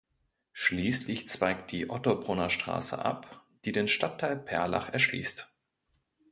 Schließlich zweigt die "Ottobrunner Straße" ab, die den Stadtteil Perlach erschließt.